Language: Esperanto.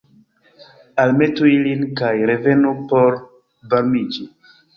Almetu ilin, kaj revenu por varmiĝi.